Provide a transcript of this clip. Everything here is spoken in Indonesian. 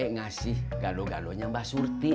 ngasih gado gadonya mbak surti